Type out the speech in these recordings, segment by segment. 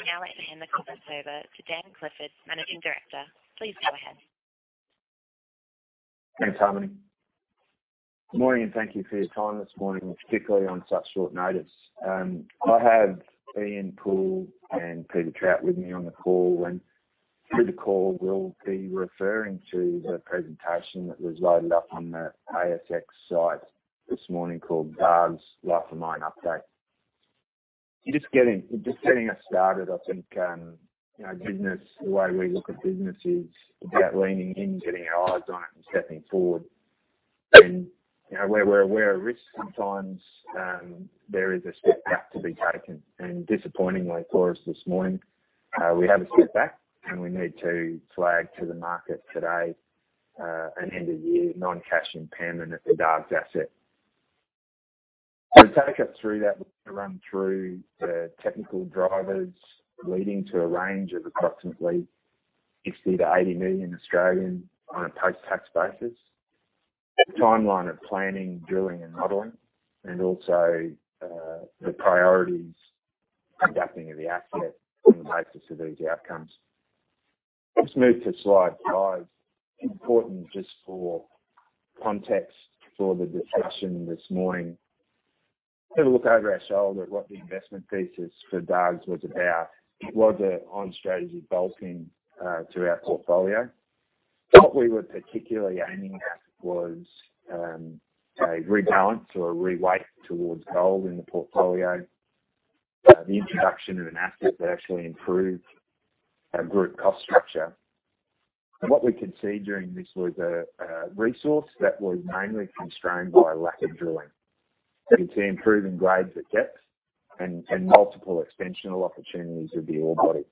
I now hand the conference over to Dan Clifford, Managing Director. Please go ahead. Thanks, Harmony. Good morning, and thank you for your time this morning, particularly on such short notice. I have Ian Poole and Peter Trout with me on the call. Through the call, we'll be referring to the presentation that was loaded up on the ASX site this morning, called Dargues Life of Mine Update. Just getting us started, I think, you know, business, the way we look at business is about leaning in, getting our eyes on it, and stepping forward. You know, where we're aware of risk sometimes, there is a step back to be taken. Disappointingly for us this morning, we have a step back, and we need to flag to the market today, an end-of-year non-cash impairment at the Dargues asset. To take us through that, we'll run through the technical drivers leading to a range of approximately 60 million-80 million on a post-tax basis, the timeline of planning, drilling, and modeling, and the priorities for adapting of the asset on the basis of these outcomes. Let's move to slide five. Important just for context for the discussion this morning. Let's have a look over our shoulder at what the investment thesis for Dargues was about. It was an on-strategy gold lean to our portfolio. What we were particularly aiming at was a rebalance or a reweight towards gold in the portfolio, the introduction of an asset that actually improved our group cost structure. What we could see during this was a resource that was mainly constrained by lack of drilling. We could see improving grades at depths and multiple extensional opportunities of the ore body.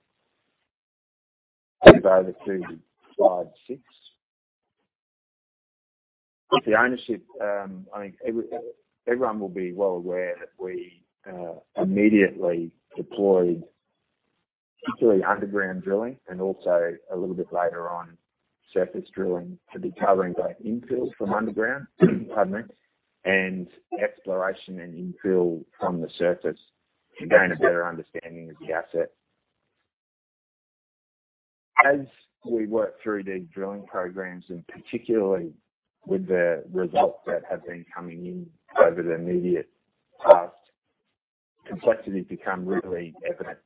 Let's move over to slide six. With the ownership, I think everyone will be well aware that we immediately deployed particularly underground drilling and also a little bit later on surface drilling to be covering both infill from underground, pardon me, and exploration and infill from the surface and gain a better understanding of the asset. As we worked through these drilling programs, and particularly with the results that have been coming in over the immediate past, complexity become really evident.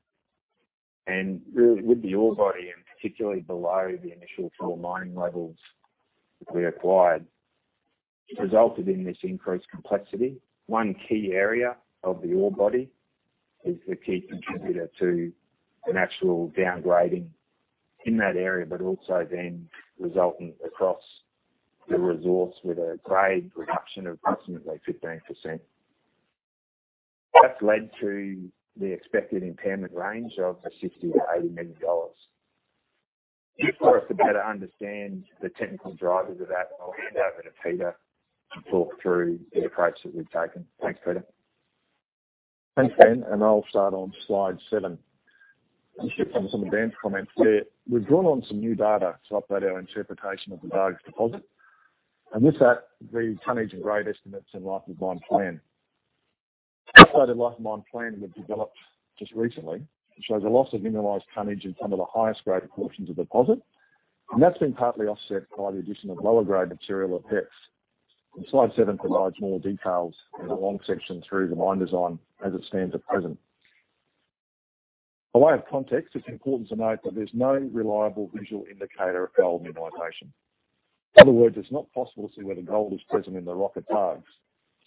Really with the ore body, and particularly below the initial two mining levels that we acquired, resulted in this increased complexity. One key area of the ore body is the key contributor to an actual downgrading in that area, but also then resultant across the resource with a grade reduction of approximately 15%. That's led to the expected impairment range of 60 million-80 million dollars. Just for us to better understand the technical drivers of that, I'll hand over to Peter to talk through the approach that we've taken. Thanks, Peter. Thanks, Dan. I'll start on slide seven. Just from some of Dan's comments there. We've drawn on some new data to update our interpretation of the Dargues deposit. With that, the tonnage and grade estimates and Life of Mine plan. The updated Life of Mine plan we've developed just recently shows a loss of mineralized tonnage in some of the highest grade portions of deposit. That's been partly offset by the addition of lower grade material at depths. Slide seven provides more details in the long section through the mine design as it stands at present. By way of context, it's important to note that there's no reliable visual indicator of gold mineralization. In other words, it's not possible to see where the gold is present in the rock at Dargues.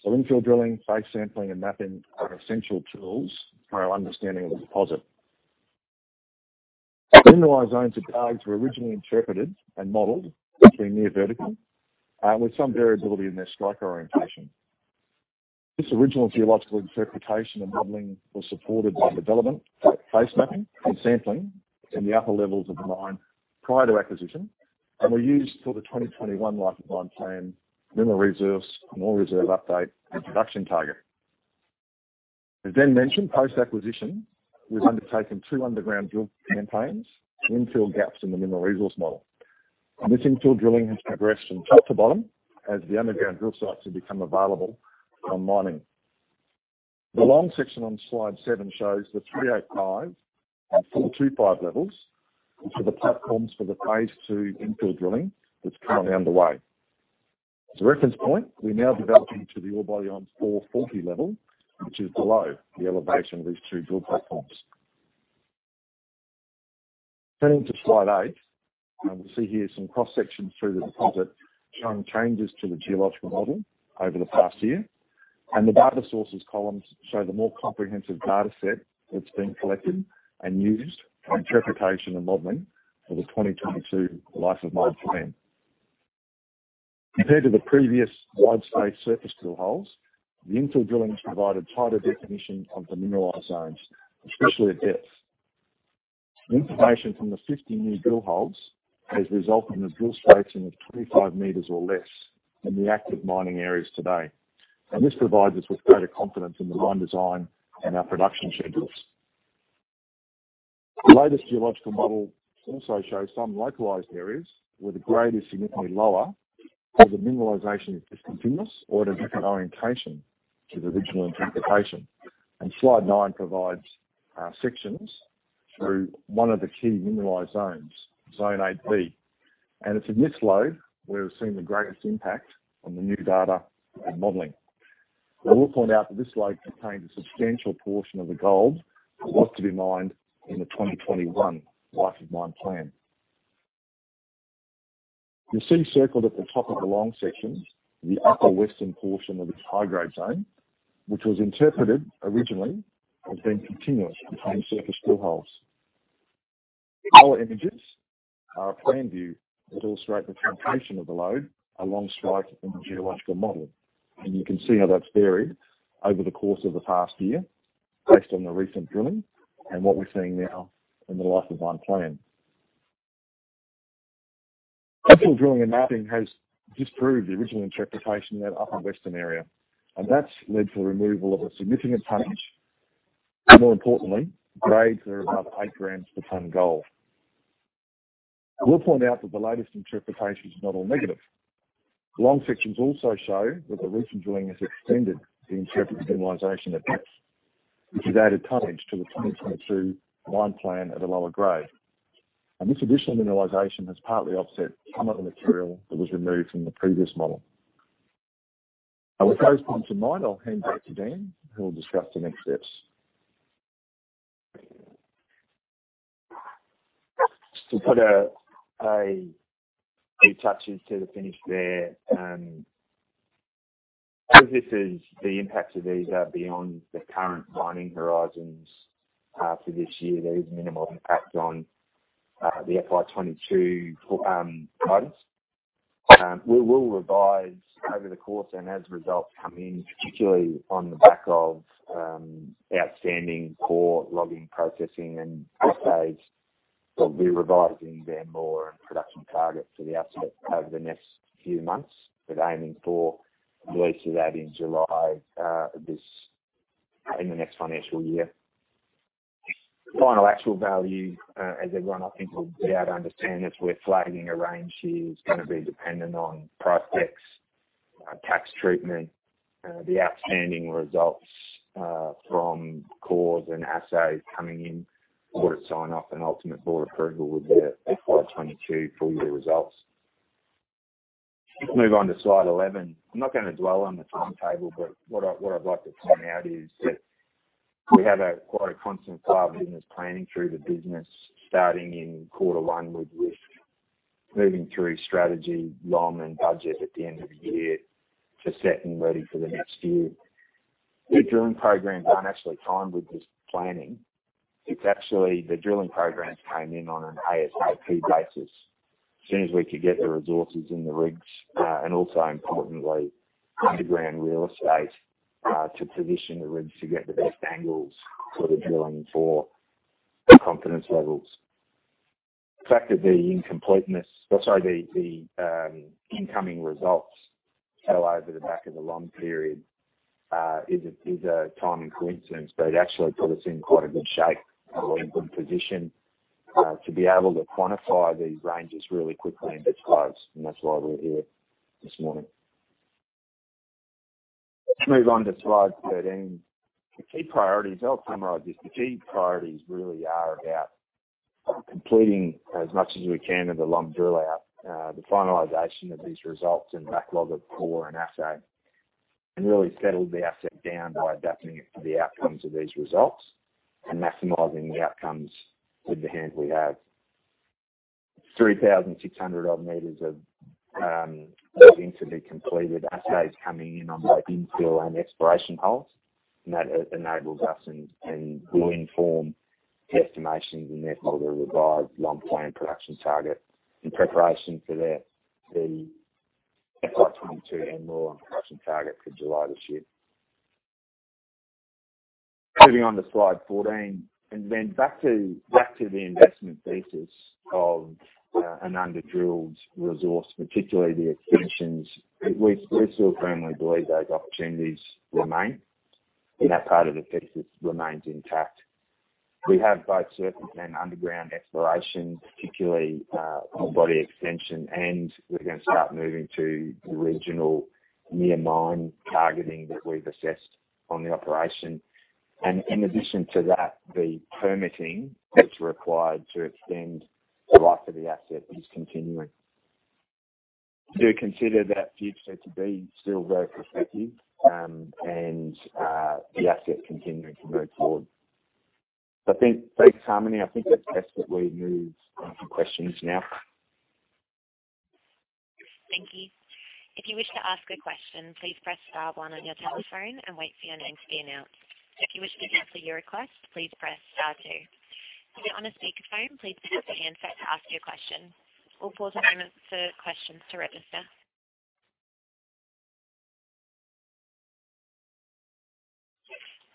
Infill drilling, face sampling, and mapping are essential tools for our understanding of the deposit. Mineralized zones at Dargues were originally interpreted and modeled to be near vertical, with some variability in their strike orientation. This original geological interpretation and modeling was supported by development, face mapping, and sampling in the upper levels of the mine prior to acquisition, and were used for the 2021 Life of Mine plan, Mineral Reserves, Ore Reserve update, and Production Target. As Dan mentioned, post-acquisition, we've undertaken two underground drill campaigns to infill gaps in the mineral resource model. This infill drilling has progressed from top to bottom as the underground drill sites have become available from mining. The long section on slide seven shows the 305 and 425 levels, which are the platforms for the phase two infill drilling that's currently underway. As a reference point, we're now developing to the ore body on 440 level, which is below the elevation of these two drill platforms. Turning to slide eight, we see here some cross-sections through the deposit showing changes to the geological model over the past year. The data sources columns show the more comprehensive data set that's been collected and used for interpretation and modeling for the 2022 life of mine plan. Compared to the previous wide-spaced surface drill holes, the infill drilling has provided tighter definition of the mineralized zones, especially at depth. The information from the 50 new drill holes has resulted in a drill spacing of 25 meters or less in the active mining areas today. This provides us with greater confidence in the mine design and our production schedules. The latest geological model also shows some localized areas where the grade is significantly lower, where the mineralization is discontinuous or a different orientation to the original interpretation. Slide 9 provides sections through one of the key mineralized zones, Zone 8B. It's in this lobe where we've seen the greatest impact on the new data and modeling. I will point out that this lobe contains a substantial portion of the gold that was to be mined in the 2021 Life of Mine plan. You'll see circled at the top of the long sections, the upper western portion of this high-grade zone, which was interpreted originally as being continuous between surface drill holes. Our images are a plan view that illustrate the extension of the lode along strike in the geological model, and you can see how that's varied over the course of the past year based on the recent drilling and what we're seeing now in the life of mine plan. Additional drilling and mapping has disproved the original interpretation in that upper western area, and that's led to the removal of a significant tonnage. More importantly, grades are above 8 grams per tonne gold. I will point out that the latest interpretation is not all negative. Long sections also show that the recent drilling has extended the interpreted mineralization at depth, which has added tonnage to the 2022 mine plan at a lower grade. This additional mineralization has partly offset some of the material that was removed from the previous model. With those points in mind, I'll hand back to Dan, who will discuss the next steps. Just to put a few touches to the finish there. As these are beyond the current mining horizons for this year, there is minimal impact on the FY 2022 targets. We will revise over the course and as results come in, particularly on the back of outstanding core logging, processing and assays. We're revising the model and production targets for the asset over the next few months. We're aiming for release of that in July in the next financial year. Final actual value, as everyone I think will be able to understand, as we're flagging a range here is gonna be dependent on price decks, tax treatment, the outstanding results from cores and assays coming in for it to sign off, and ultimate board approval with the FY 2022 full year results. If we move on to slide 11. I'm not gonna dwell on the timetable, but what I'd like to point out is that we have quite a constant flow of business planning through the business, starting in quarter one with risk, moving through strategy, LOM and budget at the end of the year to set and ready for the next year. The drilling programs aren't actually timed with this planning. It's actually the drilling programs came in on an ASAP basis, as soon as we could get the resources in the rigs, and also importantly, underground real estate to position the rigs to get the best angles for the drilling for the confidence levels. The fact that the incoming results fell over the back of the long period is a timing coincidence, but it actually put us in quite a good shape or in good position to be able to quantify these ranges really quickly and this close. That's why we're here this morning. Let's move on to slide 13. The key priorities. I'll summarize this. The key priorities really are about completing as much as we can of the LOM drill out, the finalization of these results and backlog of core and assay, and really settle the asset down by adapting it for the outcomes of these results and maximizing the outcomes with the hand we have. 3,600-odd meters of logging to be completed, assays coming in on both infill and exploration holes, and that enables us and will inform the estimations and therefore the revised LOM plan Production Target in preparation for the FY 2022 and more on Production Target for July this year. Moving on to slide 14. Then back to the investment thesis of an under-drilled resource, particularly the extensions. We still firmly believe those opportunities remain and that part of the thesis remains intact. We have both surface and underground exploration, particularly on body extension, and we're gonna start moving to the regional near mine targeting that we've assessed on the operation. In addition to that, the permitting that's required to extend the life of the asset is continuing. We do consider that future set to be still very prospective, and the asset continuing to move forward. Thanks, Harmony. I think it's best that we move on to questions now. Thank you. If you wish to ask a question, please press star one on your telephone and wait for your name to be announced. If you wish to cancel your request, please press star two. If you're on a speakerphone, please pick up the handset to ask your question. We'll pause a moment for questions to register.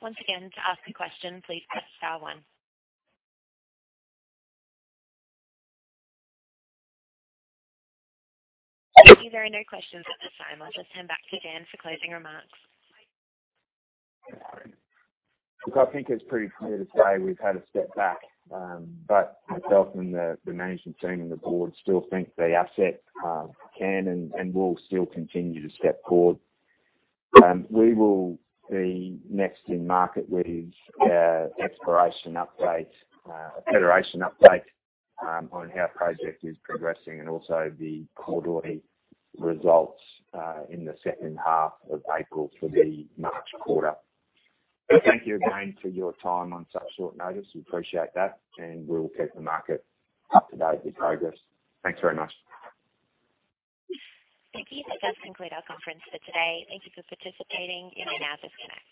Once again, to ask a question, please press star one. Thank you. There are no questions at this time. I'll just hand back to Dan for closing remarks. Look, I think it's pretty clear to say we've had a step back, but myself and the management team and the board still think the asset can and will still continue to step forward. We will be next in market with exploration update, Federation update on how project is progressing and also the quarterly results in the second half of April for the March quarter. Thank you again for your time on such short notice. We appreciate that, and we'll keep the market up to date with progress. Thanks very much. Thank you. This does conclude our conference for today. Thank you for participating, you may now disconnect.